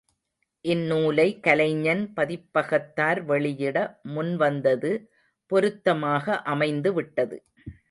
இந்நூலை, கலைஞன் பதிப்பகத்தார் வெளியிட முன் வந்தது பொருத்தமாக அமைந்துவிட்டது.